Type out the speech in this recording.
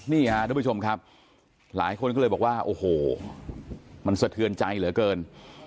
นี่ค่ะทุกผู้ชมครับหลายคนก็เลยบอกว่าโอ้โหมันสะเทือนใจเหลือเกิน